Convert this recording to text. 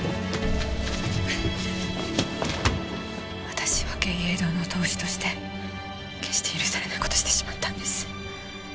私は藝榮堂の当主として決して許されない事をしてしまったんです。